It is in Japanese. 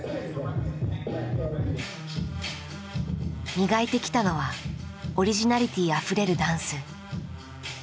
磨いてきたのはオリジナリティーあふれるダンス。